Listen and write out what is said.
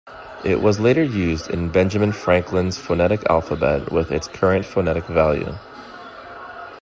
It was later used in Benjamin Franklin's phonetic alphabet, with its current phonetic value.